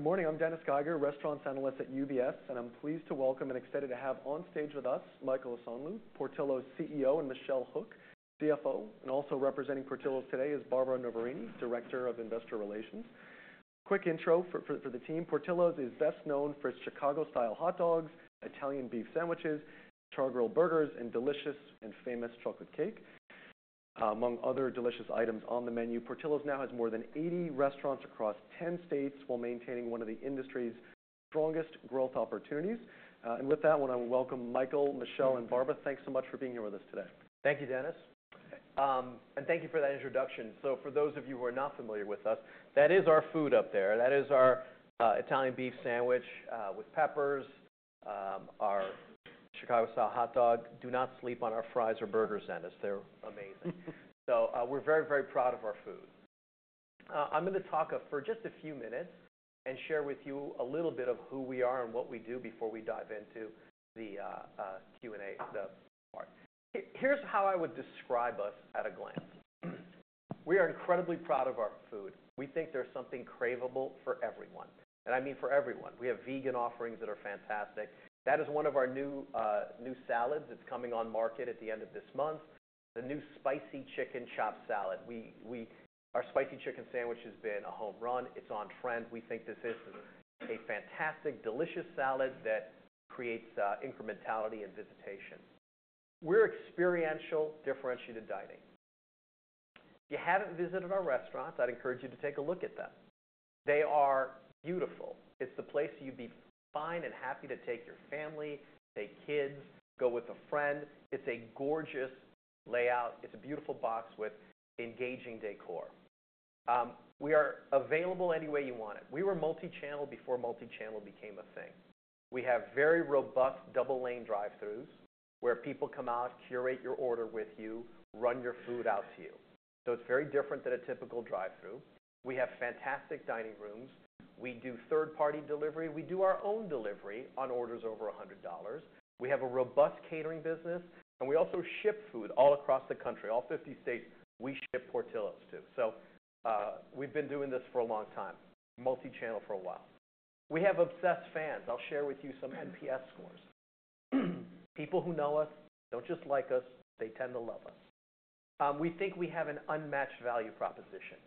Good morning. I'm Dennis Geiger, Restaurants Analyst at UBS, and I'm pleased to welcome and excited to have on stage with us Michael Osanloo, Portillo's CEO, and Michelle Hook, CFO. And also representing Portillo's today is Barbara Noverini, Director of Investor Relations. Quick intro for the team: Portillo's is best known for its Chicago-style hot dogs, Italian beef sandwiches, chargrilled burgers, and delicious and famous chocolate cake. Among other delicious items on the menu, Portillo's now has more than 80 restaurants across 10 states while maintaining one of the industry's strongest growth opportunities. And with that, I want to welcome Michael, Michelle, and Barbara. Thanks so much for being here with us today. Thank you, Dennis. And thank you for that introduction. So for those of you who are not familiar with us, that is our food up there. That is our Italian beef sandwich with peppers, our Chicago-style hot dog. Do not sleep on our fries or burgers, Dennis. They're amazing. So we're very, very proud of our food. I'm going to talk for just a few minutes and share with you a little bit of who we are and what we do before we dive into the Q&A part. Here's how I would describe us at a glance: We are incredibly proud of our food. We think there's something cravable for everyone. And I mean for everyone. We have vegan offerings that are fantastic. That is one of our new salads. It's coming on market at the end of this month, the new spicy chicken chopped salad. Our spicy chicken sandwich has been a home run. It's on trend. We think this is a fantastic, delicious salad that creates incrementality and visitation. We're experiential, differentiated dining. If you haven't visited our restaurants, I'd encourage you to take a look at them. They are beautiful. It's the place you'd be fine and happy to take your family, take kids, go with a friend. It's a gorgeous layout. It's a beautiful box with engaging décor. We are available any way you want it. We were multi-channeled before multi-channeled became a thing. We have very robust double-lane drive-thrus where people come out, curate your order with you, run your food out to you. So it's very different than a typical drive-thru. We have fantastic dining rooms. We do third-party delivery. We do our own delivery on orders over $100. We have a robust catering business. We also ship food all across the country, all 50 states. We ship Portillo's too. So we've been doing this for a long time, multi-channeled for a while. We have obsessed fans. I'll share with you some NPS scores. People who know us don't just like us. They tend to love us. We think we have an unmatched value proposition.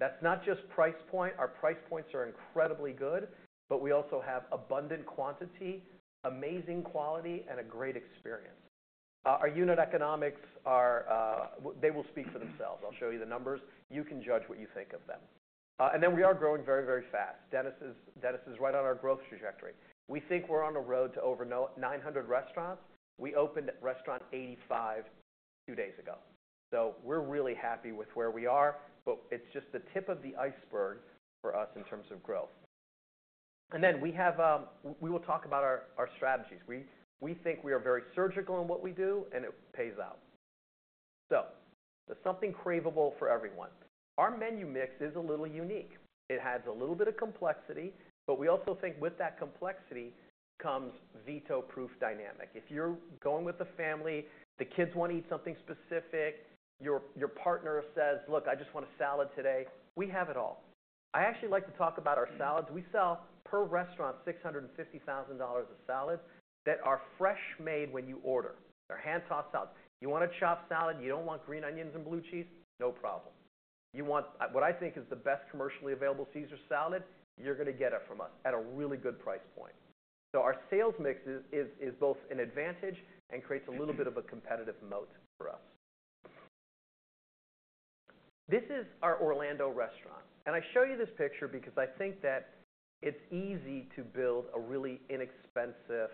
That's not just price point. Our price points are incredibly good. But we also have abundant quantity, amazing quality, and a great experience. Our unit economics, they will speak for themselves. I'll show you the numbers. You can judge what you think of them. We are growing very, very fast. Dennis is right on our growth trajectory. We think we're on the road to over 900 restaurants. We opened restaurant 85 two days ago. So we're really happy with where we are. But it's just the tip of the iceberg for us in terms of growth. Then we will talk about our strategies. We think we are very surgical in what we do, and it pays out. There's something cravable for everyone. Our menu mix is a little unique. It adds a little bit of complexity. But we also think with that complexity comes veto-proof dynamic. If you're going with a family, the kids want to eat something specific, your partner says, "Look, I just want a salad today," we have it all. I actually like to talk about our salads. We sell, per restaurant, $650,000 of salads that are fresh-made when you order. They're hand-tossed salads. You want a chopped salad? You don't want green onions and blue cheese? No problem. You want what I think is the best commercially available Caesar salad. You're going to get it from us at a really good price point. So our sales mix is both an advantage and creates a little bit of a competitive moat for us. This is our Orlando restaurant. I show you this picture because I think that it's easy to build a really inexpensive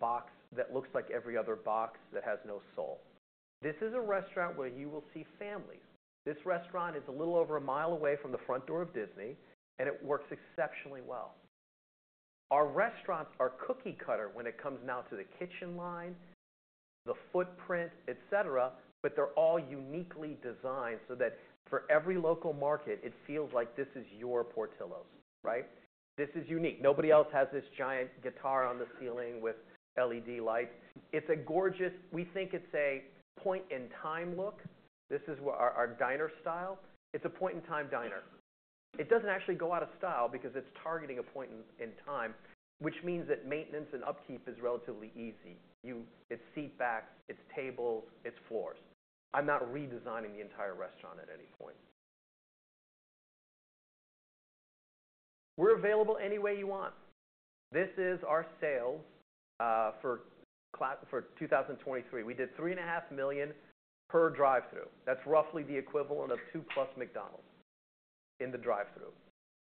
box that looks like every other box that has no soul. This is a restaurant where you will see families. This restaurant is a little over a mile away from the front door of Disney. It works exceptionally well. Our restaurants are cookie-cutter when it comes now to the kitchen line, the footprint, et cetera. But they're all uniquely designed so that for every local market, it feels like this is your Portillo's, right? This is unique. Nobody else has this giant guitar on the ceiling with LED lights. It's gorgeous, we think. It's a point-in-time look. This is our diner style. It's a point-in-time diner. It doesn't actually go out of style because it's targeting a point in time, which means that maintenance and upkeep is relatively easy. It's seatbacks. It's tables. It's floors. I'm not redesigning the entire restaurant at any point. We're available any way you want. This is our sales for 2023. We did $3.5 million per drive-thru. That's roughly the equivalent of two plus McDonald's in the drive-thru.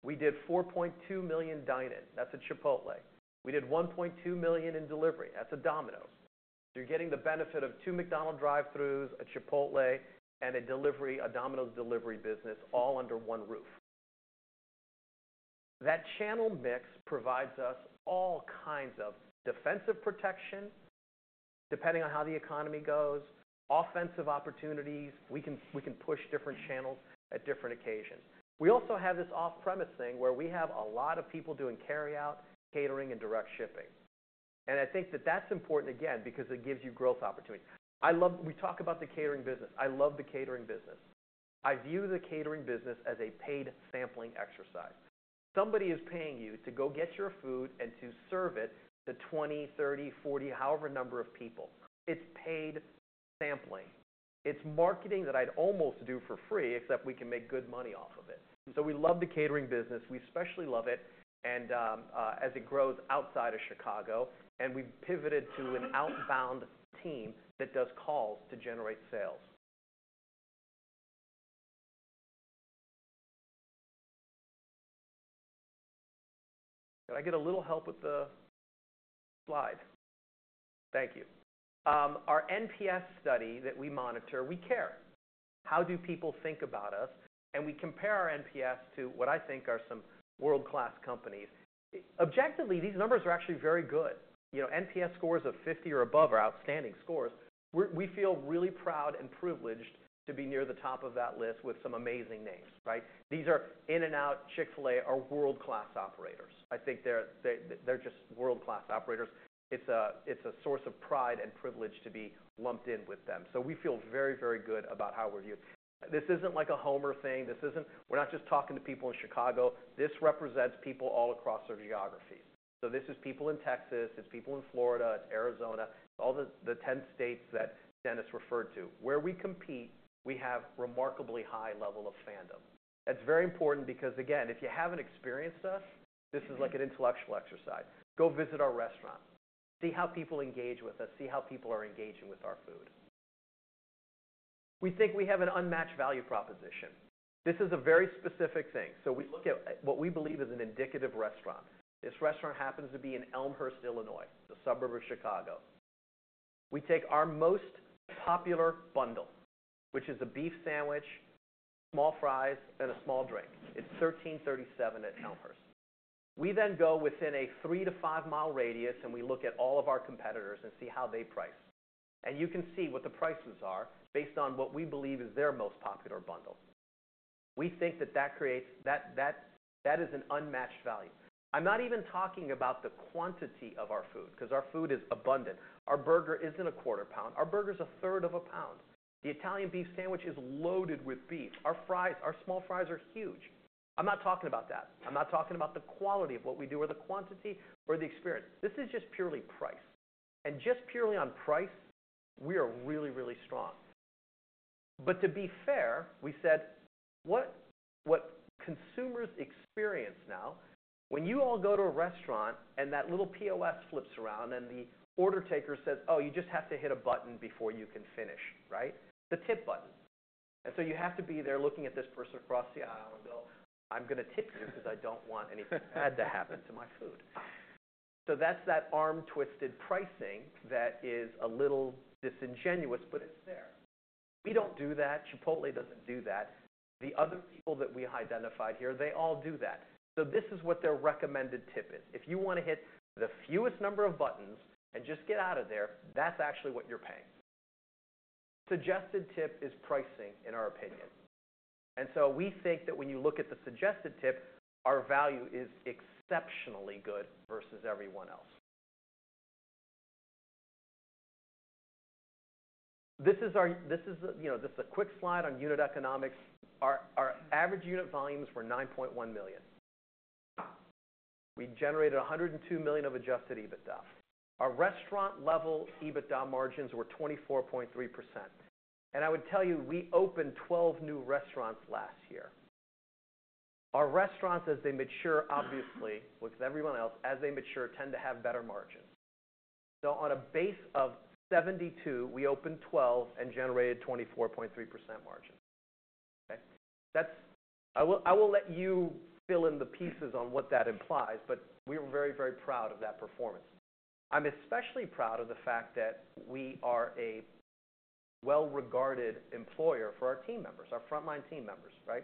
We did $4.2 million dine-in. That's a Chipotle. We did $1.2 million in delivery. That's a Domino's. So you're getting the benefit of two McDonald's drive-thrus, a Chipotle, and a Domino's delivery business all under one roof. That channel mix provides us all kinds of defensive protection, depending on how the economy goes, offensive opportunities. We can push different channels at different occasions. We also have this off-premise thing where we have a lot of people doing carry-out, catering, and direct shipping. I think that's important, again, because it gives you growth opportunities. We talk about the catering business. I love the catering business. I view the catering business as a paid sampling exercise. Somebody is paying you to go get your food and to serve it to 20, 30, 40, however many people. It's paid sampling. It's marketing that I'd almost do for free, except we can make good money off of it. We love the catering business. We especially love it as it grows outside of Chicago. We've pivoted to an outbound team that does calls to generate sales. Can I get a little help with the slide? Thank you. Our NPS study that we monitor, we care. How do people think about us? And we compare our NPS to what I think are some world-class companies. Objectively, these numbers are actually very good. NPS scores of 50 or above are outstanding scores. We feel really proud and privileged to be near the top of that list with some amazing names, right? These are In-N-Out, Chick-fil-A, are world-class operators. I think they're just world-class operators. It's a source of pride and privilege to be lumped in with them. So we feel very, very good about how we're viewed. This isn't like a Homer thing. We're not just talking to people in Chicago. This represents people all across their geographies. So this is people in Texas. It's people in Florida. It's Arizona, all the 10 states that Dennis referred to. Where we compete, we have a remarkably high level of fandom. That's very important because, again, if you haven't experienced us, this is like an intellectual exercise. Go visit our restaurant. See how people engage with us. See how people are engaging with our food. We think we have an unmatched value proposition. This is a very specific thing. So we look at what we believe is an indicative restaurant. This restaurant happens to be in Elmhurst, Illinois, the suburb of Chicago. We take our most popular bundle, which is a beef sandwich, small fries, and a small drink. It's $13.37 at Elmhurst. We then go within a three to five mile radius, and we look at all of our competitors and see how they price. And you can see what the prices are based on what we believe is their most popular bundle. We think that that is an unmatched value. I'm not even talking about the quantity of our food because our food is abundant. Our burger isn't a quarter pound. Our burger is a third of a pound. The Italian beef sandwich is loaded with beef. Our fries, our small fries, are huge. I'm not talking about that. I'm not talking about the quality of what we do or the quantity or the experience. This is just purely price. And just purely on price, we are really, really strong. But to be fair, we said, what consumers experience now when you all go to a restaurant and that little POS flips around, and the order taker says, "Oh, you just have to hit a button before you can finish," right? The tip button. And so you have to be there looking at this person across the aisle and go, "I'm going to tip you because I don't want anything bad to happen to my food." So that's that arm-twisted pricing that is a little disingenuous, but it's there. We don't do that. Chipotle doesn't do that. The other people that we identified here, they all do that. So this is what their recommended tip is. If you want to hit the fewest number of buttons and just get out of there, that's actually what you're paying. Suggested tip is pricing, in our opinion. And so we think that when you look at the suggested tip, our value is exceptionally good versus everyone else. This is a quick slide on unit economics. Our average unit volumes were $9.1 million. We generated $102 million of adjusted EBITDA. Our restaurant-level EBITDA margins were 24.3%. I would tell you, we opened 12 new restaurants last year. Our restaurants, as they mature, obviously, like everyone else, as they mature, tend to have better margins. On a base of 72, we opened 12 and generated 24.3% margins, OK? I will let you fill in the pieces on what that implies. We were very, very proud of that performance. I'm especially proud of the fact that we are a well-regarded employer for our team members, our frontline team members, right?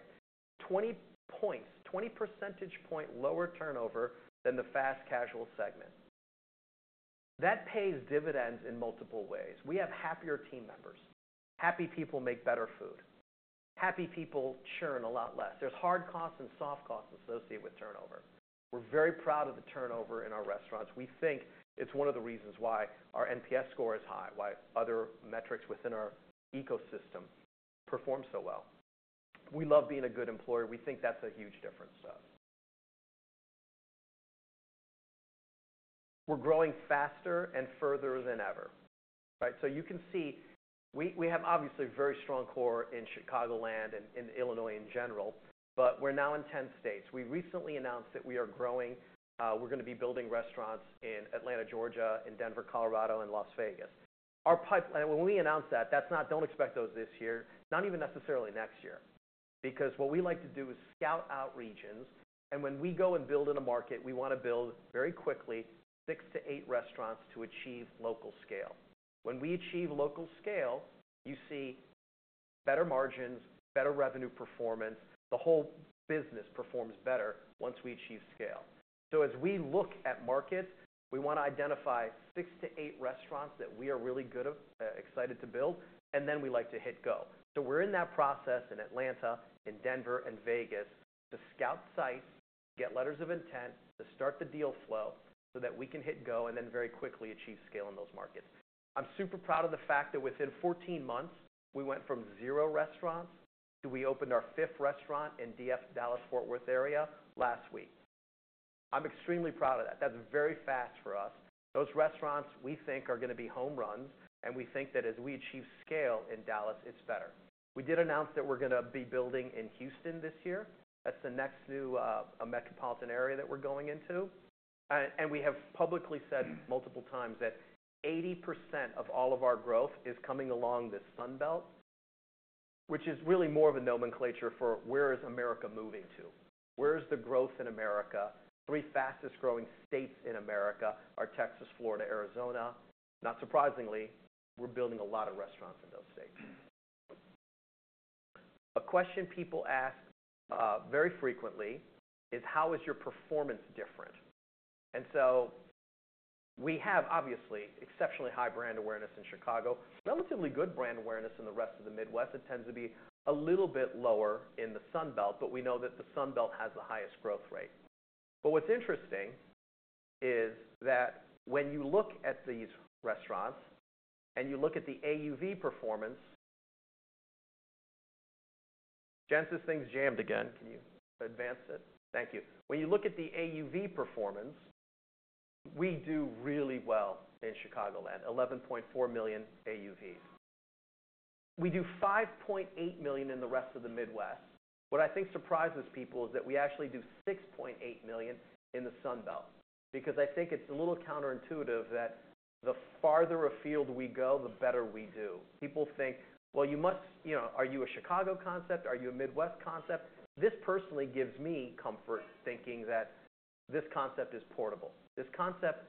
20 points, 20 percentage point lower turnover than the fast casual segment. That pays dividends in multiple ways. We have happier team members. Happy people make better food. Happy people churn a lot less. There's hard costs and soft costs associated with turnover. We're very proud of the turnover in our restaurants. We think it's one of the reasons why our NPS score is high, why other metrics within our ecosystem perform so well. We love being a good employer. We think that's a huge difference to us. We're growing faster and further than ever, right? So you can see, we have obviously a very strong core in Chicagoland and Illinois in general. But we're now in 10 states. We recently announced that we are growing. We're going to be building restaurants in Atlanta, Georgia, in Denver, Colorado, and Las Vegas. When we announced that, that's not, "Don't expect those this year," not even necessarily next year. Because what we like to do is scout out regions. And when we go and build in a market, we want to build very quickly six to eight restaurants to achieve local scale. When we achieve local scale, you see better margins, better revenue performance. The whole business performs better once we achieve scale. So as we look at markets, we want to identify six to eight restaurants that we are really good at, excited to build. And then we like to hit go. So we're in that process in Atlanta, in Denver, and Vegas to scout sites, to get letters of intent, to start the deal flow so that we can hit go and then very quickly achieve scale in those markets. I'm super proud of the fact that within 14 months, we went from zero restaurants to we opened our 5th restaurant in DFW, Dallas-Fort Worth area last week. I'm extremely proud of that. That's very fast for us. Those restaurants, we think, are going to be home runs. And we think that as we achieve scale in Dallas, it's better. We did announce that we're going to be building in Houston this year. That's the next new metropolitan area that we're going into. We have publicly said multiple times that 80% of all of our growth is coming along this Sun Belt, which is really more of a nomenclature for where is America moving to? Where is the growth in America? Three fastest-growing states in America are Texas, Florida, Arizona. Not surprisingly, we're building a lot of restaurants in those states. A question people ask very frequently is, how is your performance different? So we have, obviously, exceptionally high brand awareness in Chicago, relatively good brand awareness in the rest of the Midwest. It tends to be a little bit lower in the Sun Belt. But we know that the Sun Belt has the highest growth rate. But what's interesting is that when you look at these restaurants and you look at the AUV performance. When you look at the AUV performance, we do really well in Chicagoland, $11.4 million AUVs. We do $5.8 million in the rest of the Midwest. What I think surprises people is that we actually do $6.8 million in the Sun Belt. Because I think it's a little counterintuitive that the farther afield we go, the better we do. People think, well, you must are you a Chicago concept? Are you a Midwest concept? This personally gives me comfort thinking that this concept is portable. This concept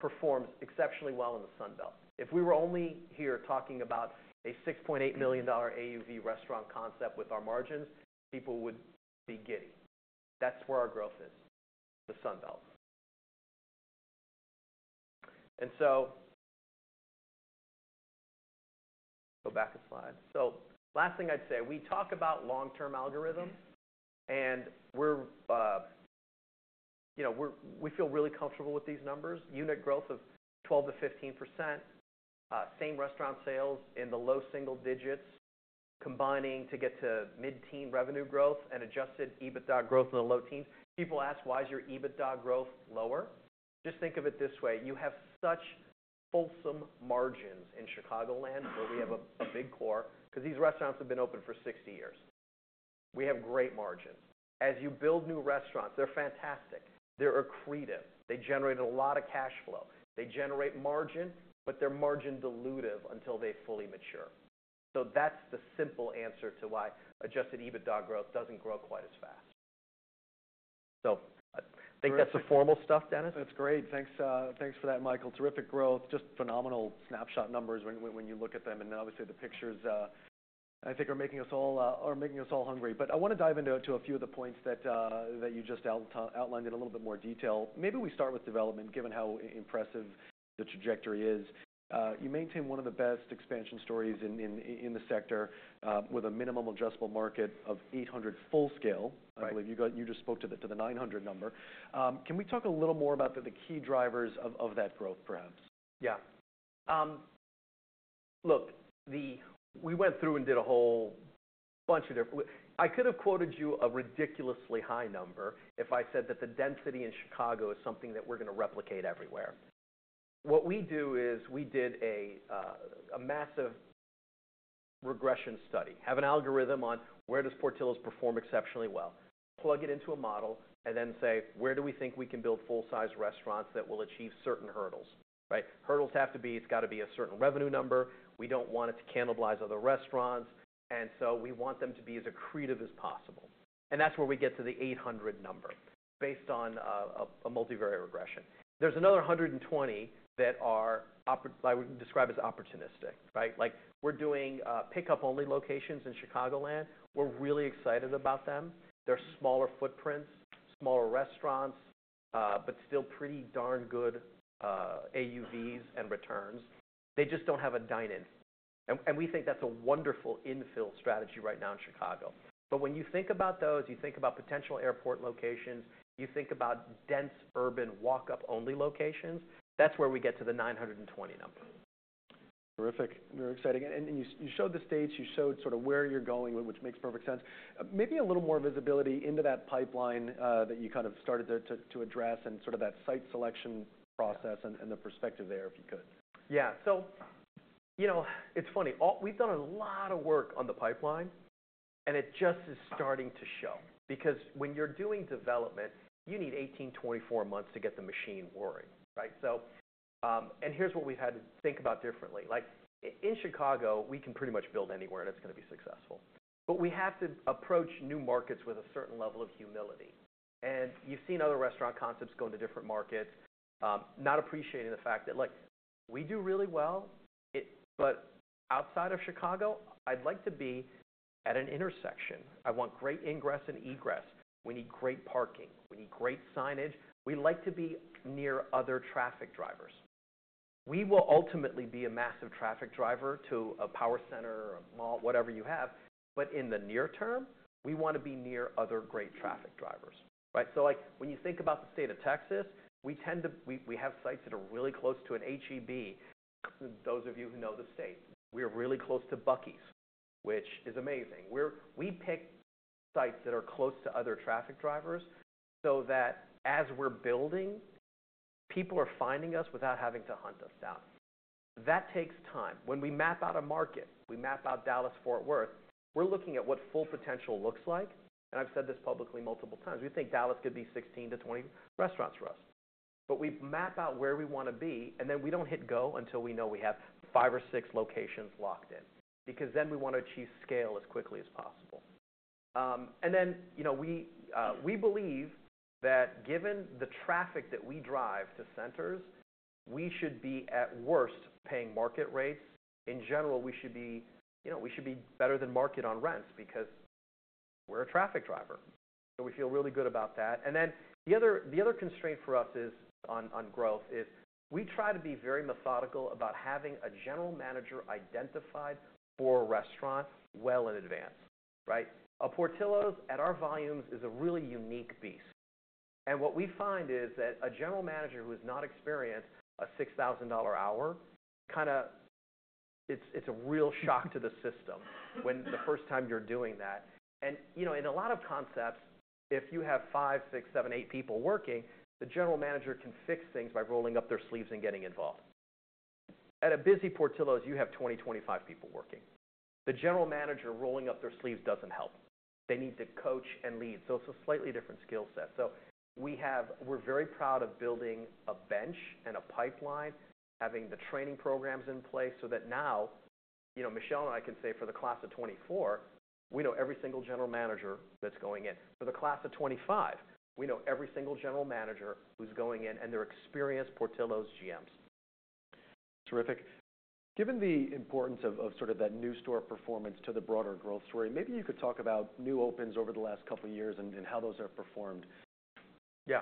performs exceptionally well in the Sun Belt. If we were only here talking about a $6.8 million AUV restaurant concept with our margins, people would be giddy. That's where our growth is, the Sun Belt. Go back a slide. Last thing I'd say, we talk about long-term algorithms. We feel really comfortable with these numbers, unit growth of 12%-15%, same restaurant sales in the low single digits, combining to get to mid-teen revenue growth and adjusted EBITDA growth in the low teens. People ask, why is your EBITDA growth lower? Just think of it this way. You have such fulsome margins in Chicagoland, where we have a big core, because these restaurants have been open for 60 years. We have great margins. As you build new restaurants, they're fantastic. They're accretive. They generate a lot of cash flow. They generate margin, but they're margin dilutive until they fully mature. So that's the simple answer to why adjusted EBITDA growth doesn't grow quite as fast. So I think that's the formal stuff, Dennis. That's great. Thanks for that, Michael. Terrific growth, just phenomenal snapshot numbers when you look at them. Obviously, the pictures, I think, are making us all hungry. But I want to dive into a few of the points that you just outlined in a little bit more detail. Maybe we start with development, given how impressive the trajectory is. You maintain one of the best expansion stories in the sector with a minimum adjustable market of 800 full scale, I believe. You just spoke to the 900 number. Can we talk a little more about the key drivers of that growth, perhaps? Yeah. Look, we went through and did a whole bunch of different. I could have quoted you a ridiculously high number if I said that the density in Chicago is something that we're going to replicate everywhere. What we do is we did a massive regression study, have an algorithm on where does Portillo's perform exceptionally well, plug it into a model, and then say, where do we think we can build full-size restaurants that will achieve certain hurdles, right? Hurdles have to be it's got to be a certain revenue number. We don't want it to cannibalize other restaurants. And so we want them to be as accretive as possible. And that's where we get to the 800 number based on a multivariate regression. There's another 120 that I would describe as opportunistic, right? We're doing pickup-only locations in Chicagoland. We're really excited about them. They're smaller footprints, smaller restaurants, but still pretty darn good AUVs and returns. They just don't have a dine-in. And we think that's a wonderful infill strategy right now in Chicago. But when you think about those, you think about potential airport locations, you think about dense urban walk-up-only locations, that's where we get to the 920 number. Terrific. Very exciting. You showed the states. You showed sort of where you're going, which makes perfect sense. Maybe a little more visibility into that pipeline that you kind of started to address and sort of that site selection process and the perspective there, if you could. Yeah. So it's funny. We've done a lot of work on the pipeline. And it just is starting to show. Because when you're doing development, you need 18, 24 months to get the machine working, right? And here's what we've had to think about differently. In Chicago, we can pretty much build anywhere, and it's going to be successful. But we have to approach new markets with a certain level of humility. And you've seen other restaurant concepts go into different markets not appreciating the fact that we do really well. But outside of Chicago, I'd like to be at an intersection. I want great ingress and egress. We need great parking. We need great signage. We like to be near other traffic drivers. We will ultimately be a massive traffic driver to a power center, a mall, whatever you have. But in the near term, we want to be near other great traffic drivers, right? So when you think about the State of Texas, we have sites that are really close to an H-E-B, those of you who know the state. We are really close to Buc-ee's, which is amazing. We pick sites that are close to other traffic drivers so that as we're building, people are finding us without having to hunt us down. That takes time. When we map out a market, we map out Dallas-Fort Worth, we're looking at what full potential looks like. And I've said this publicly multiple times. We think Dallas could be 16-20 restaurants for us. But we map out where we want to be. And then we don't hit go until we know we have five or six locations locked in. Because then we want to achieve scale as quickly as possible. Then we believe that given the traffic that we drive to centers, we should be, at worst, paying market rates. In general, we should be better than market on rents because we're a traffic driver. So we feel really good about that. Then the other constraint for us on growth is we try to be very methodical about having a general manager identified for a restaurant well in advance, right? A Portillo's, at our volumes, is a really unique beast. And what we find is that a general manager who is not experienced, a $6,000 hour, kind of it's a real shock to the system the first time you're doing that. In a lot of concepts, if you have five, six, seven, eight people working, the general manager can fix things by rolling up their sleeves and getting involved. At a busy Portillo's, you have 20, 25 people working. The general manager rolling up their sleeves doesn't help. They need to coach and lead. It's a slightly different skill set. We're very proud of building a bench and a pipeline, having the training programs in place so that now, Michelle and I can say, for the class of 2024, we know every single general manager that's going in. For the class of 2025, we know every single general manager who's going in. And they're experienced Portillo's GMs. Terrific. Given the importance of sort of that new store performance to the broader growth story, maybe you could talk about new opens over the last couple of years and how those have performed? Yeah.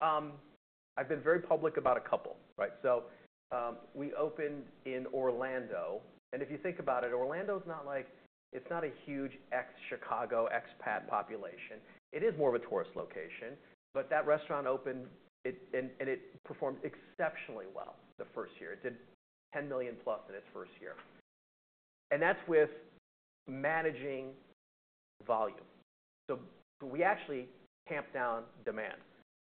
I've been very public about a couple, right? So we opened in Orlando. And if you think about it, Orlando's not like it's not a huge ex-Chicago, expat population. It is more of a tourist location. But that restaurant opened, and it performed exceptionally well the first year. It did $10 million+ in its first year. And that's with managing volume. So we actually tamped down demand.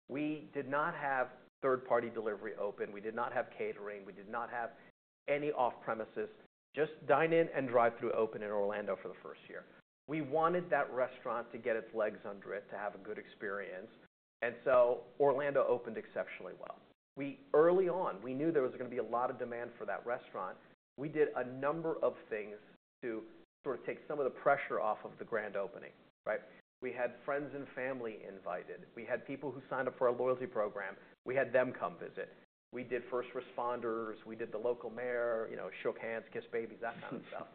We did not have third-party delivery open. We did not have catering. We did not have any off-premises, just dine-in and drive-thru open in Orlando for the first year. We wanted that restaurant to get its legs under it, to have a good experience. And so Orlando opened exceptionally well. Early on, we knew there was going to be a lot of demand for that restaurant. We did a number of things to sort of take some of the pressure off of the grand opening, right? We had friends and family invited. We had people who signed up for our loyalty program. We had them come visit. We did first responders. We did the local mayor, shook hands, kissed babies, that kind of stuff.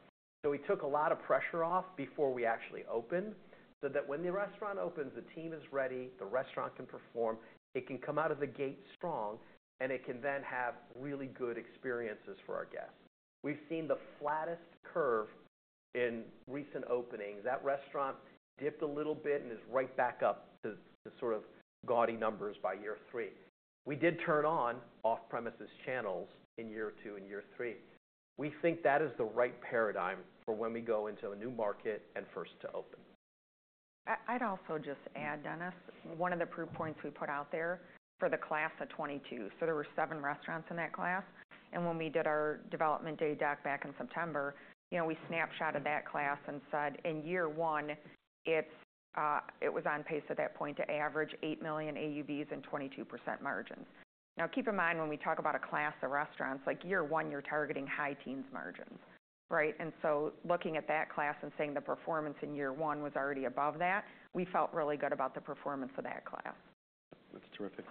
So we took a lot of pressure off before we actually opened so that when the restaurant opens, the team is ready, the restaurant can perform, it can come out of the gate strong, and it can then have really good experiences for our guests. We've seen the flattest curve in recent openings. That restaurant dipped a little bit and is right back up to sort of gaudy numbers by year three. We did turn on off-premises channels in year two and year three. We think that is the right paradigm for when we go into a new market and first to open. I'd also just add, Dennis, one of the proof points we put out there for the class of 2022. So there were seven restaurants in that class. And when we did our development day deck back in September, we snapshotted that class and said, in year one, it was on pace at that point to average $8 million AUVs and 22% margins. Now, keep in mind, when we talk about a class of restaurants, like year one, you're targeting high teens margins, right? And so looking at that class and saying the performance in year one was already above that, we felt really good about the performance of that class. That's terrific.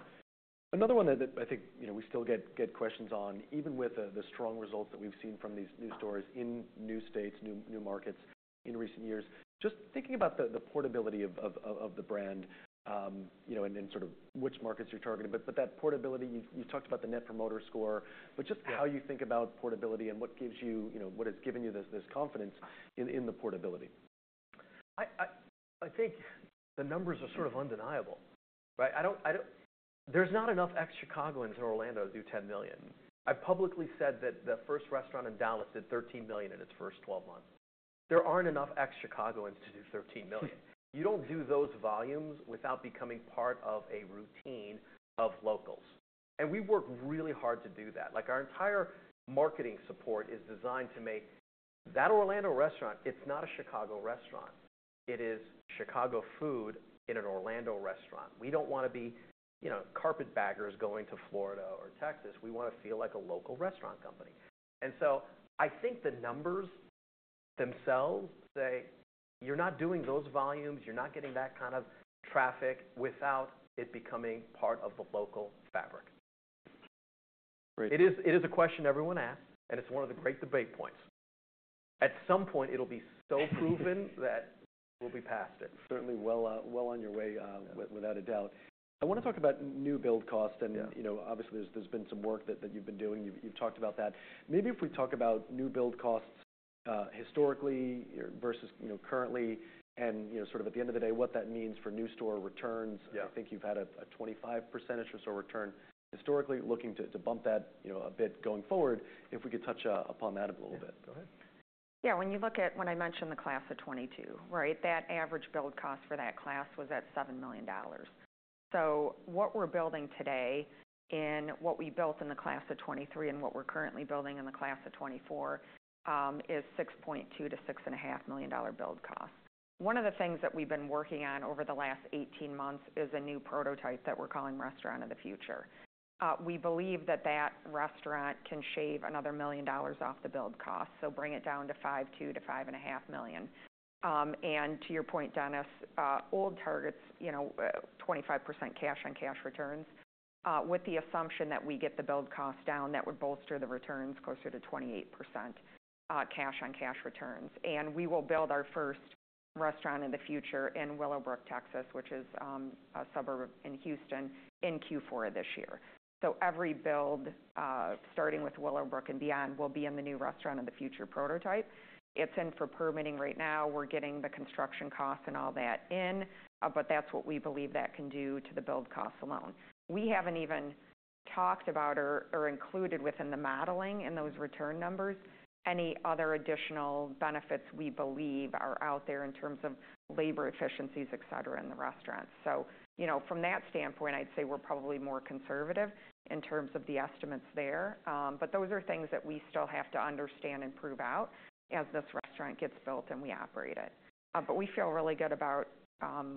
Another one that I think we still get questions on, even with the strong results that we've seen from these new stores in new states, new markets in recent years, just thinking about the portability of the brand and sort of which markets you're targeting. But that portability, you've talked about the Net Promoter Score. But just how you think about portability and what gives you what has given you this confidence in the portability. I think the numbers are sort of undeniable, right? There's not enough ex-Chicagolans in Orlando to do $10 million. I've publicly said that the first restaurant in Dallas did $13 million in its first 12 months. There aren't enough ex-Chicagolans to do $13 million. You don't do those volumes without becoming part of a routine of locals. And we work really hard to do that. Our entire marketing support is designed to make that Orlando restaurant, it's not a Chicago restaurant. It is Chicago food in an Orlando restaurant. We don't want to be carpetbaggers going to Florida or Texas. We want to feel like a local restaurant company. And so I think the numbers themselves say, you're not doing those volumes. You're not getting that kind of traffic without it becoming part of the local fabric. It is a question everyone asks. It's one of the great debate points. At some point, it'll be so proven that we'll be past it. Certainly well on your way, without a doubt. I want to talk about new build costs. Obviously, there's been some work that you've been doing. You've talked about that. Maybe if we talk about new build costs historically versus currently and sort of at the end of the day, what that means for new store returns. I think you've had a 25% or so return historically, looking to bump that a bit going forward. If we could touch upon that a little bit. Yeah. Go ahead. Yeah. When you look at when I mentioned the class of 2022, right, that average build cost for that class was at $7 million. So what we're building today in what we built in the class of 2023 and what we're currently building in the class of 2024 is $6.2 million-$6.5 million build costs. One of the things that we've been working on over the last 18 months is a new prototype that we're calling Restaurant of the Future. We believe that that restaurant can shave another $1 million off the build costs, so bring it down to $5.2 million-$5.5 million. And to your point, Dennis, old targets, 25% cash-on-cash returns, with the assumption that we get the build costs down, that would bolster the returns closer to 28% cash-on-cash returns. We will build our first restaurant in the future in Willowbrook, Texas, which is a suburb in Houston, in Q4 of this year. Every build, starting with Willowbrook and beyond, will be in the new Restaurant of the Future prototype. It's in for permitting right now. We're getting the construction costs and all that in. That's what we believe that can do to the build costs alone. We haven't even talked about or included within the modeling in those return numbers any other additional benefits we believe are out there in terms of labor efficiencies, et cetera, in the restaurants. From that standpoint, I'd say we're probably more conservative in terms of the estimates there. Those are things that we still have to understand and prove out as this restaurant gets built and we operate it. But we feel really good about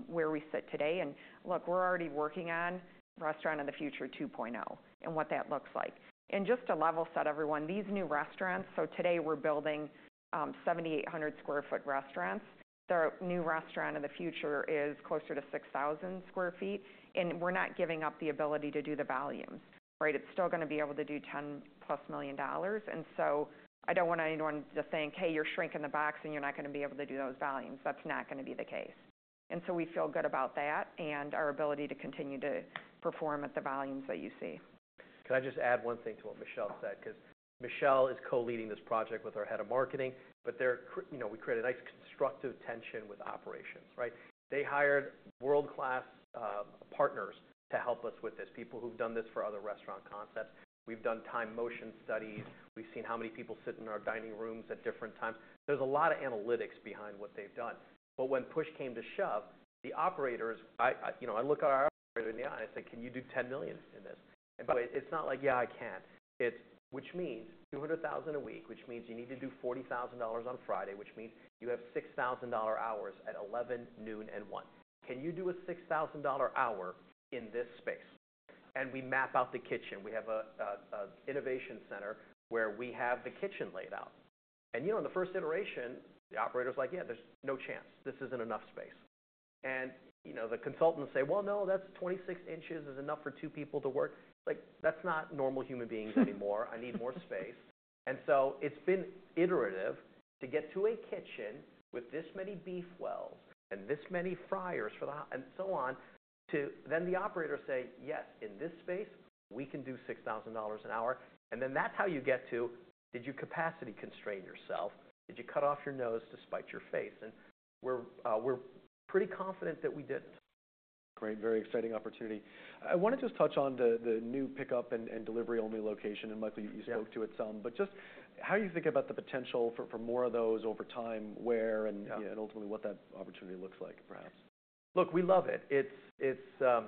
where we sit today. And look, we're already working on Restaurant of the Future 2.0 and what that looks like. And just to level set, everyone, these new restaurants so today, we're building 7,800 sq ft restaurants. The new Restaurant of the Future is closer to 6,000 sq ft. And we're not giving up the ability to do the volumes, right? It's still going to be able to do $10+ million. And so I don't want anyone to think, hey, you're shrinking the box, and you're not going to be able to do those volumes. That's not going to be the case. And so we feel good about that and our ability to continue to perform at the volumes that you see. Can I just add one thing to what Michelle said? Because Michelle is co-leading this project with our head of marketing. But we create a nice constructive tension with operations, right? They hired world-class partners to help us with this, people who've done this for other restaurant concepts. We've done time motion studies. We've seen how many people sit in our dining rooms at different times. There's a lot of analytics behind what they've done. But when push came to shove, the operators, I look our operator in the eye, and I say, can you do $10 million in this? And by the way, it's not like, yeah, I can't. It's. Which means $200,000 a week, which means you need to do $40,000 on Friday, which means you have $6,000 hours at 11:00 A.M., noon, and 1:00 P.M. Can you do a $6,000 hour in this space? We map out the kitchen. We have an Innovation Center where we have the kitchen laid out. And in the first iteration, the operator's like, yeah, there's no chance. This isn't enough space. And the consultants say, well, no, that's 26 inches is enough for two people to work. That's not normal human beings anymore. I need more space. And so it's been iterative to get to a kitchen with this many beef wells and this many fryers for the hot and so on to then the operator say, yes, in this space, we can do $6,000 an hour. And then that's how you get to, did you capacity constrain yourself? Did you cut off your nose to spite your face? And we're pretty confident that we didn't. Great. Very exciting opportunity. I want to just touch on the new pickup and delivery-only location. And, Michael, you spoke to it some. But just how do you think about the potential for more of those over time, where, and ultimately, what that opportunity looks like, perhaps? Look, we love it. It's a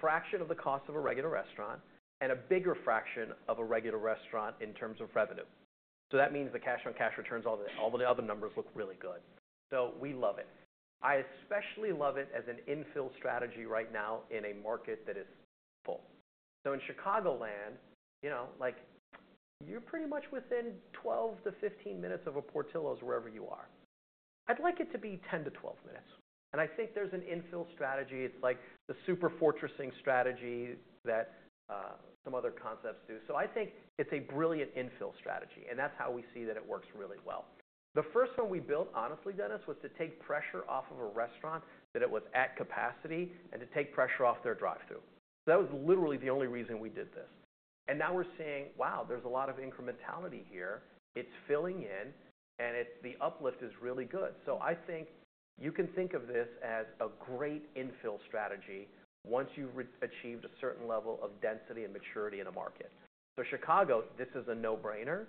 fraction of the cost of a regular restaurant and a bigger fraction of a regular restaurant in terms of revenue. So that means the cash-on-cash returns, all the other numbers look really good. So we love it. I especially love it as an infill strategy right now in a market that is full. So in Chicagoland, you're pretty much within 12-15 minutes of a Portillo's wherever you are. I'd like it to be 10-12 minutes. And I think there's an infill strategy. It's like the super fortressing strategy that some other concepts do. So I think it's a brilliant infill strategy. And that's how we see that it works really well. The first one we built, honestly, Dennis, was to take pressure off of a restaurant that it was at capacity and to take pressure off their drive-thru. So that was literally the only reason we did this. And now we're seeing, wow, there's a lot of incrementality here. It's filling in. And the uplift is really good. So I think you can think of this as a great infill strategy once you've achieved a certain level of density and maturity in a market. So Chicago, this is a no-brainer.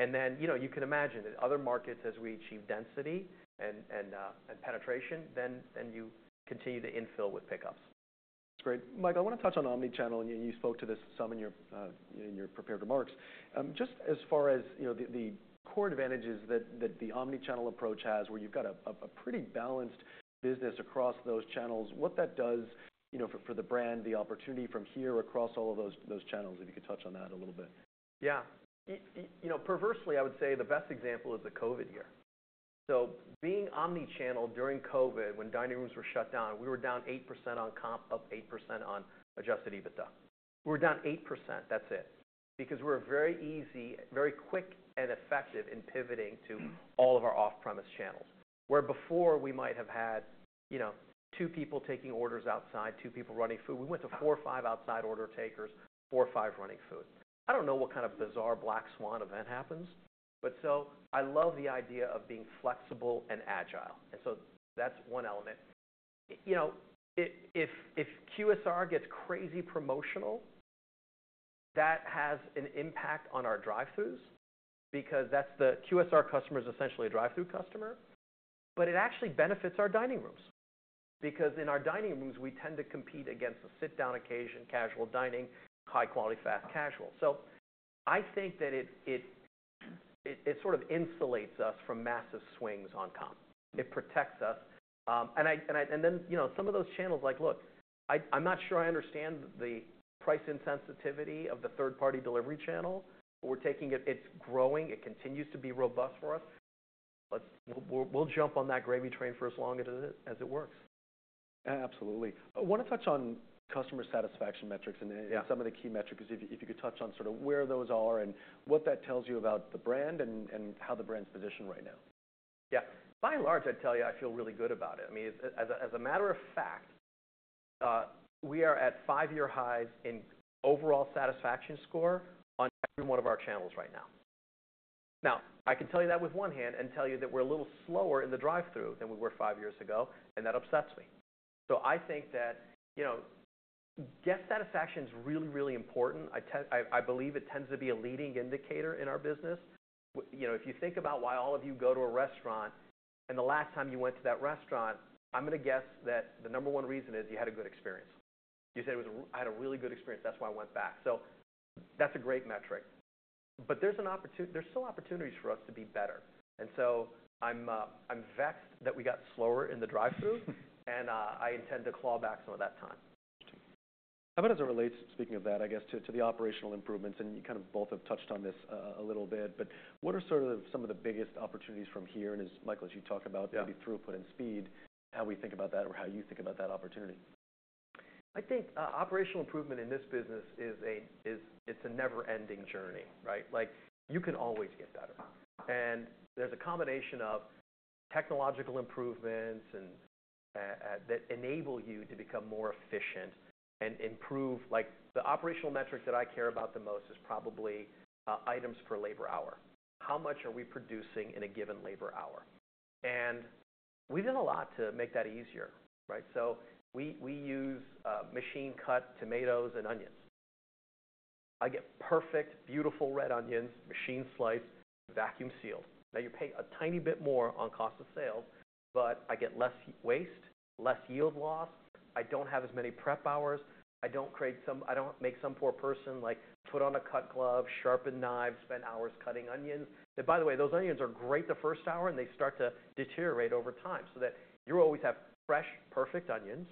And then you can imagine that other markets, as we achieve density and penetration, then you continue to infill with pickups. That's great. Michael, I want to touch on omnichannel. And you spoke to this some in your prepared remarks. Just as far as the core advantages that the omnichannel approach has, where you've got a pretty balanced business across those channels, what that does for the brand, the opportunity from here across all of those channels, if you could touch on that a little bit. Yeah. Perversely, I would say the best example is the COVID year. So being omnichannel during COVID, when dining rooms were shut down, we were down 8% on comp, up 8% on adjusted EBITDA. We were down 8%. That's it. Because we're very easy, very quick, and effective in pivoting to all of our off-premise channels, where before, we might have had two people taking orders outside, two people running food. We went to four or five outside order takers, four or five running food. I don't know what kind of bizarre black swan event happens. But so I love the idea of being flexible and agile. And so that's one element. If QSR gets crazy promotional, that has an impact on our drive-thrus because that's the QSR customer is essentially a drive-thru customer. But it actually benefits our dining rooms. Because in our dining rooms, we tend to compete against a sit-down occasion, casual dining, high quality, fast casual. So I think that it sort of insulates us from massive swings on comp. It protects us. And then some of those channels like, look, I'm not sure I understand the price insensitivity of the third-party delivery channel. But we're taking it. It's growing. It continues to be robust for us. We'll jump on that gravy train for as long as it works. Absolutely. I want to touch on customer satisfaction metrics and some of the key metrics, if you could touch on sort of where those are and what that tells you about the brand and how the brand's positioned right now. Yeah. By and large, I'd tell you I feel really good about it. I mean, as a matter of fact, we are at five-year highs in overall satisfaction score on every one of our channels right now. Now, I can tell you that with one hand and tell you that we're a little slower in the drive-thru than we were five years ago. And that upsets me. So I think that guest satisfaction is really, really important. I believe it tends to be a leading indicator in our business. If you think about why all of you go to a restaurant and the last time you went to that restaurant, I'm going to guess that the number one reason is you had a good experience. You said it was I had a really good experience. That's why I went back. So that's a great metric. There's still opportunities for us to be better. So I'm vexed that we got slower in the drive-thru. I intend to claw back some of that time. Interesting. How about as it relates, speaking of that, I guess, to the operational improvements? And you kind of both have touched on this a little bit. But what are sort of some of the biggest opportunities from here? And as, Michael, as you talk about maybe throughput and speed, how we think about that or how you think about that opportunity? I think operational improvement in this business is it's a never-ending journey, right? You can always get better. There's a combination of technological improvements that enable you to become more efficient and improve the operational metric that I care about the most, which is probably items per labor hour, how much are we producing in a given labor hour. We've done a lot to make that easier, right? We use machine-cut tomatoes and onions. I get perfect, beautiful red onions, machine sliced, vacuum-sealed. Now, you pay a tiny bit more on cost of sales. I get less waste, less yield loss. I don't have as many prep hours. I don't make some poor person put on a cut glove, sharpen knives, spend hours cutting onions. By the way, those onions are great the first hour. And they start to deteriorate over time so that you always have fresh, perfect onions.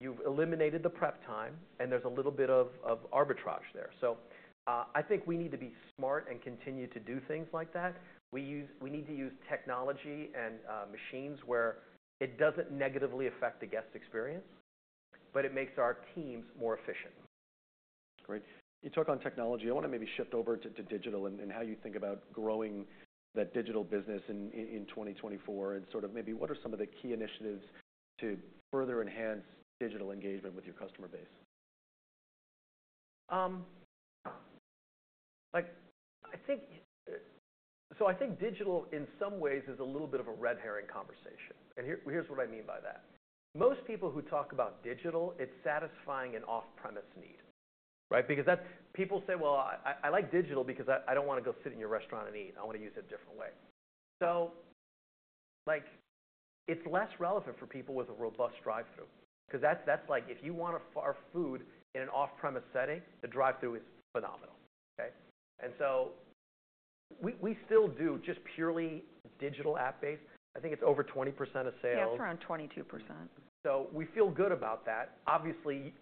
You've eliminated the prep time. And there's a little bit of arbitrage there. So I think we need to be smart and continue to do things like that. We need to use technology and machines where it doesn't negatively affect the guest experience. But it makes our teams more efficient. That's great. You talk on technology. I want to maybe shift over to digital and how you think about growing that digital business in 2024. And sort of maybe what are some of the key initiatives to further enhance digital engagement with your customer base? So I think digital, in some ways, is a little bit of a red herring conversation. Here's what I mean by that. Most people who talk about digital, it's satisfying an off-premise need, right? Because people say, well, I like digital because I don't want to go sit in your restaurant and eat. I want to use it a different way. So it's less relevant for people with a robust drive-thru. Because that's like if you want to get our food in an off-premise setting, the drive-thru is phenomenal, OK? And so we still do just purely digital app-based. I think it's over 20% of sales. Yeah, it's around 22%. So we feel good about that. Obviously,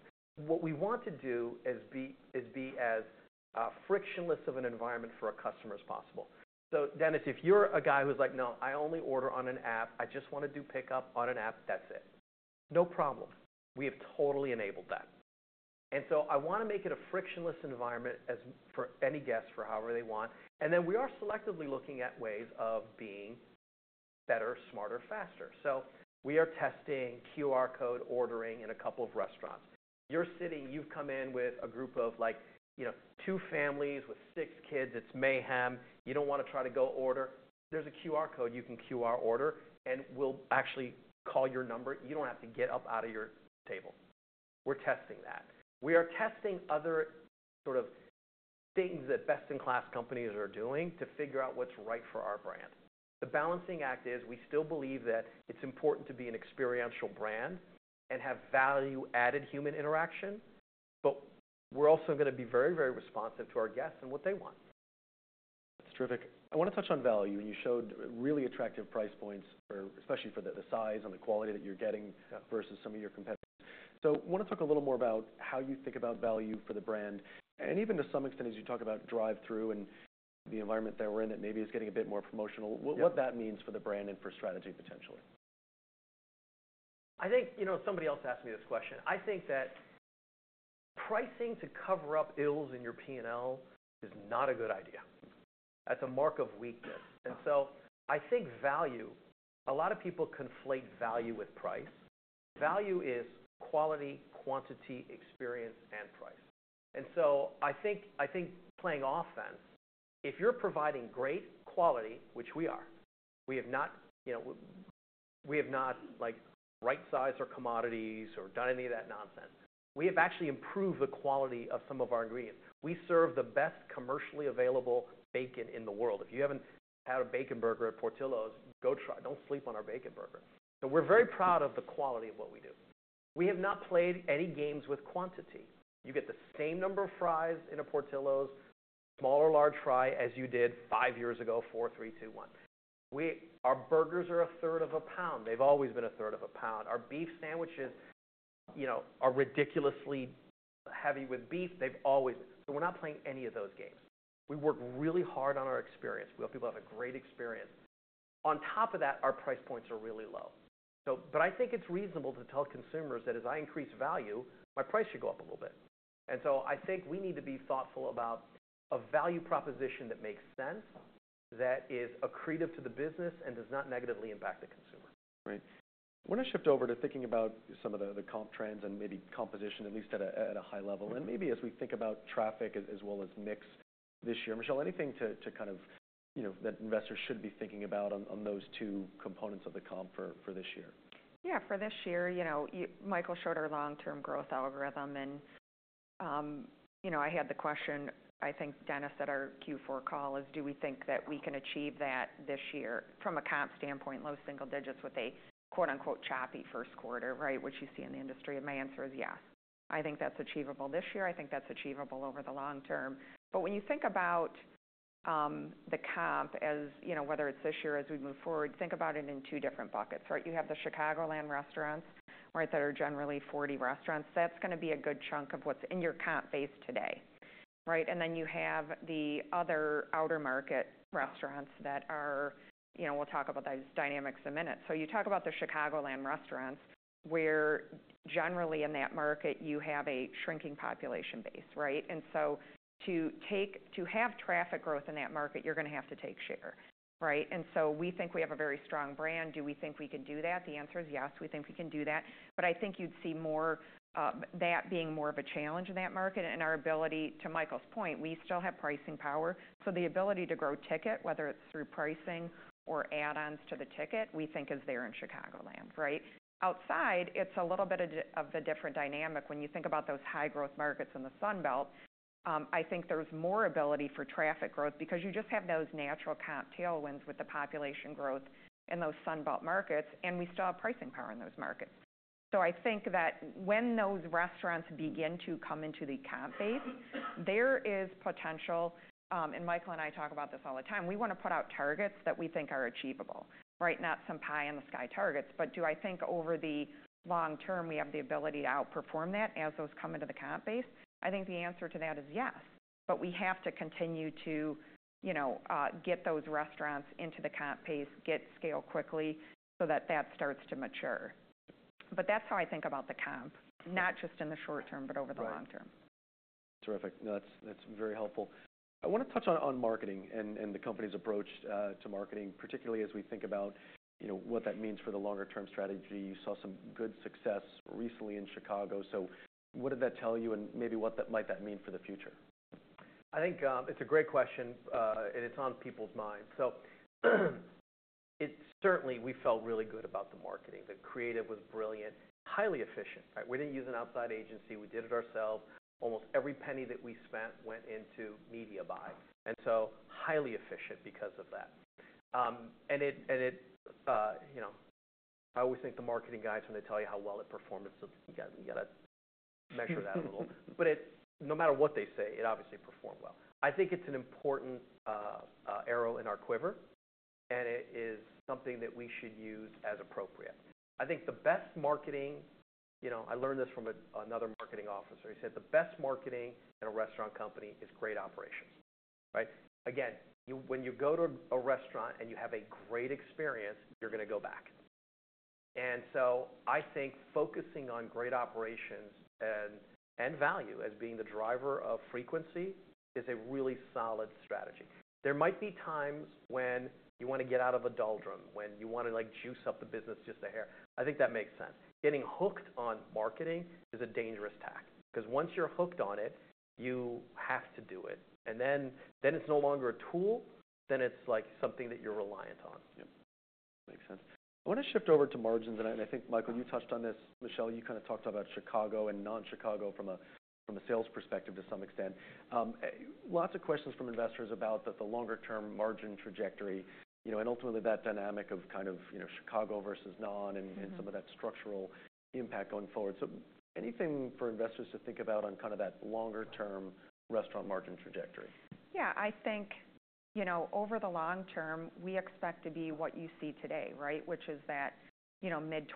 what we want to do is be as frictionless of an environment for a customer as possible. So, Dennis, if you're a guy who's like, no, I only order on an app. I just want to do pickup on an app. That's it. No problem. We have totally enabled that. And so I want to make it a frictionless environment for any guest for however they want. And then we are selectively looking at ways of being better, smarter, faster. So we are testing QR code ordering in a couple of restaurants. You're sitting. You've come in with a group of two families with six kids. It's mayhem. You don't want to try to go order. There's a QR code. You can QR order. And we'll actually call your number. You don't have to get up out of your table. We're testing that. We are testing other sort of things that best-in-class companies are doing to figure out what's right for our brand. The balancing act is we still believe that it's important to be an experiential brand and have value-added human interaction. But we're also going to be very, very responsive to our guests and what they want. That's terrific. I want to touch on value. And you showed really attractive price points, especially for the size and the quality that you're getting versus some of your competitors. So I want to talk a little more about how you think about value for the brand. And even to some extent, as you talk about drive-thru and the environment that we're in that maybe is getting a bit more promotional, what that means for the brand and for strategy potentially. I think somebody else asked me this question. I think that pricing to cover up ills in your P&L is not a good idea. That's a mark of weakness. And so I think value, a lot of people conflate value with price. Value is quality, quantity, experience, and price. And so I think playing offense, if you're providing great quality, which we are, we have not right-sized our commodities or done any of that nonsense. We have actually improved the quality of some of our ingredients. We serve the best commercially available bacon in the world. If you haven't had a Bacon Burger at Portillo's, go try. Don't sleep on our Bacon Burger. So we're very proud of the quality of what we do. We have not played any games with quantity. You get the same number of fries in a Portillo's, small or large fry, as you did five years ago, four, three, two, one. Our burgers are a third of a pound. They've always been a third of a pound. Our beef sandwiches are ridiculously heavy with beef. They've always been. So we're not playing any of those games. We work really hard on our experience. We hope people have a great experience. On top of that, our price points are really low. But I think it's reasonable to tell consumers that as I increase value, my price should go up a little bit. And so I think we need to be thoughtful about a value proposition that makes sense, that is accretive to the business, and does not negatively impact the consumer. Great. I want to shift over to thinking about some of the comp trends and maybe composition, at least at a high level. Maybe as we think about traffic as well as mix this year, Michelle, anything to kind of add that investors should be thinking about on those two components of the comp for this year? Yeah. For this year, Michael showed our long-term growth algorithm. And I had the question, I think, Dennis, at our Q4 call, is do we think that we can achieve that this year from a comp standpoint, low single digits, with a quote-unquote “choppy” first quarter, right, which you see in the industry? And my answer is yes. I think that's achievable this year. I think that's achievable over the long term. But when you think about the comp, whether it's this year as we move forward, think about it in two different buckets, right? You have the Chicagoland restaurants, right, that are generally 40 restaurants. That's going to be a good chunk of what's in your comp base today, right? And then you have the other outer market restaurants that are. We'll talk about those dynamics in a minute. So you talk about the Chicagoland restaurants, where generally in that market, you have a shrinking population base, right? And so to have traffic growth in that market, you're going to have to take share, right? And so we think we have a very strong brand. Do we think we can do that? The answer is yes. We think we can do that. But I think you'd see that being more of a challenge in that market. And our ability to Michael's point, we still have pricing power. So the ability to grow ticket, whether it's through pricing or add-ons to the ticket, we think is there in Chicagoland, right? Outside, it's a little bit of a different dynamic. When you think about those high-growth markets in the Sun Belt, I think there's more ability for traffic growth. Because you just have those natural comp tailwinds with the population growth in those Sun Belt markets. And we still have pricing power in those markets. So I think that when those restaurants begin to come into the comp base, there is potential. And Michael and I talk about this all the time. We want to put out targets that we think are achievable, right, not some pie-in-the-sky targets. But do I think over the long term, we have the ability to outperform that as those come into the comp base? I think the answer to that is yes. But we have to continue to get those restaurants into the comp base, get scale quickly so that that starts to mature. But that's how I think about the comp, not just in the short term but over the long term. Terrific. No, that's very helpful. I want to touch on marketing and the company's approach to marketing, particularly as we think about what that means for the longer-term strategy. You saw some good success recently in Chicago. What did that tell you? Maybe what might that mean for the future? I think it's a great question. It's on people's minds. Certainly, we felt really good about the marketing. The creative was brilliant, highly efficient, right? We didn't use an outside agency. We did it ourselves. Almost every penny that we spent went into media buy. So highly efficient because of that. I always think the marketing guys, when they tell you how well it performed, you've got to measure that a little. But no matter what they say, it obviously performed well. I think it's an important arrow in our quiver. It is something that we should use as appropriate. I think the best marketing. I learned this from another marketing officer. He said the best marketing in a restaurant company is great operations, right? Again, when you go to a restaurant and you have a great experience, you're going to go back. And so I think focusing on great operations and value as being the driver of frequency is a really solid strategy. There might be times when you want to get out of a doldrums, when you want to juice up the business just a hair. I think that makes sense. Getting hooked on marketing is a dangerous tack. Because once you're hooked on it, you have to do it. And then it's no longer a tool. Then it's something that you're reliant on. Yeah. Makes sense. I want to shift over to margins. And I think, Michael, you touched on this. Michelle, you kind of talked about Chicago and non-Chicago from a sales perspective to some extent. Lots of questions from investors about the longer-term margin trajectory and ultimately that dynamic of kind of Chicago versus non and some of that structural impact going forward. So anything for investors to think about on kind of that longer-term restaurant margin trajectory? Yeah. I think over the long term, we expect to be what you see today, right, which is that mid-20%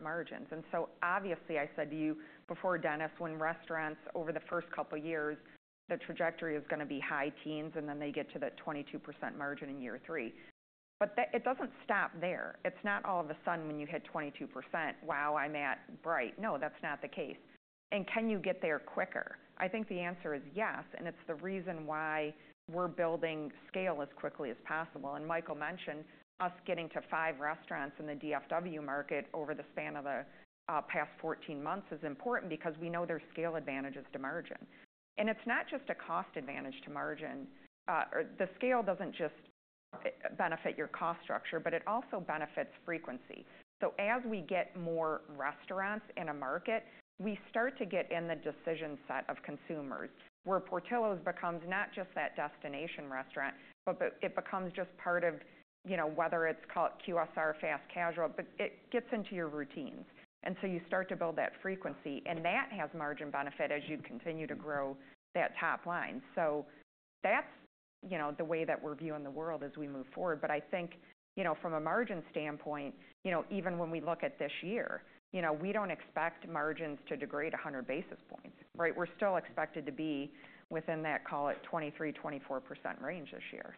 margins. And so obviously, I said to you before, Dennis, when restaurants over the first couple of years, the trajectory is going to be high teens. And then they get to that 22% margin in year three. But it doesn't stop there. It's not all of a sudden when you hit 22%, wow, I'm at bright. No, that's not the case. And can you get there quicker? I think the answer is yes. And it's the reason why we're building scale as quickly as possible. And Michael mentioned us getting to five restaurants in the DFW market over the span of the past 14 months is important because we know there's scale advantages to margin. And it's not just a cost advantage to margin. The scale doesn't just benefit your cost structure. But it also benefits frequency. So as we get more restaurants in a market, we start to get in the decision set of consumers, where Portillo's becomes not just that destination restaurant, but it becomes just part of whether it's called QSR, fast casual. But it gets into your routines. And so you start to build that frequency. And that has margin benefit as you continue to grow that top line. So that's the way that we're viewing the world as we move forward. But I think from a margin standpoint, even when we look at this year, we don't expect margins to degrade 100 basis points, right? We're still expected to be within that, call it, 23%-24% range this year.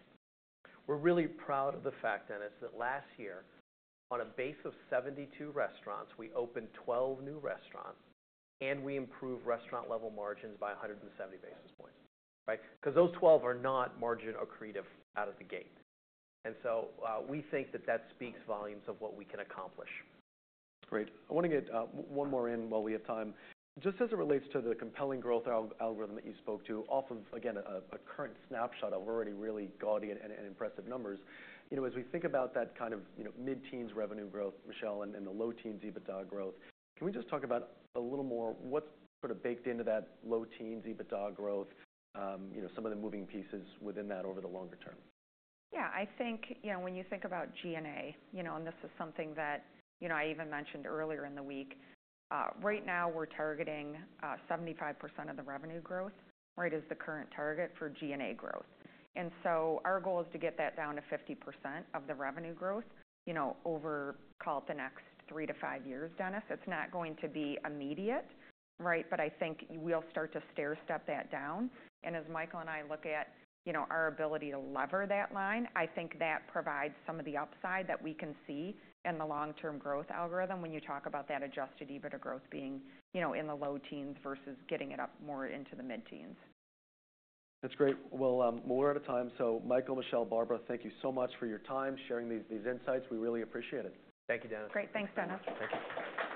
We're really proud of the fact, Dennis, that last year, on a base of 72 restaurants, we opened 12 new restaurants. We improved restaurant-level margins by 170 basis points, right? Because those 12 are not margin accretive out of the gate. And so we think that that speaks volumes of what we can accomplish. Great. I want to get one more in while we have time. Just as it relates to the compelling growth algorithm that you spoke to off of, again, a current snapshot of already really gaudy and impressive numbers, as we think about that kind of mid-teens revenue growth, Michelle, and the low-teens EBITDA growth, can we just talk about a little more what's sort of baked into that low-teens EBITDA growth, some of the moving pieces within that over the longer term? Yeah. I think when you think about G&A, and this is something that I even mentioned earlier in the week, right now, we're targeting 75% of the revenue growth, right, is the current target for G&A growth. And so our goal is to get that down to 50% of the revenue growth over, call it, the next three to five years, Dennis. It's not going to be immediate, right? But I think we'll start to stair-step that down. And as Michael and I look at our ability to lever that line, I think that provides some of the upside that we can see in the long-term growth algorithm when you talk about that adjusted EBITDA growth being in the low teens versus getting it up more into the mid-teens. That's great. Well, we're out of time. So Michael, Michelle, Barbara, thank you so much for your time sharing these insights. We really appreciate it. Thank you, Dennis. Great. Thanks, Dennis. Thank you.